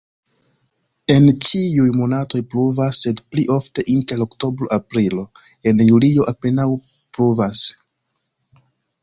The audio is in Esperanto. En ĉiuj monatoj pluvas, sed pli ofte inter oktobro-aprilo, en julio apenaŭ pluvas.